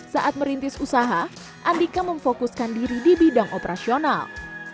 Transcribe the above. saat merintis usaha andika memfokuskan diri di bidang operasional